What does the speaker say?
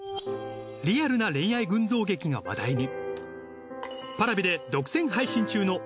リアルな恋愛群像劇が話題に。